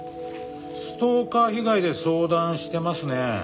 ストーカー被害で相談してますね。